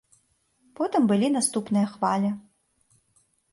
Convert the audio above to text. Потым былі наступныя хвалі.